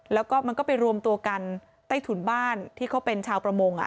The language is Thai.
แล้วก็มันก็ไปรวมตัวกันใต้ถุนบ้านที่เขาเป็นชาวประมง